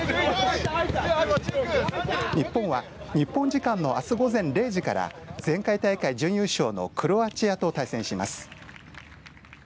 日本は日本時間のあす午前０時から前回大会準優勝のクロアチアと対戦します。